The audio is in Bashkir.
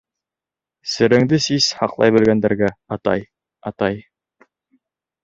Сереңде сис һаҡлай белгәндәргә, Атай, атай!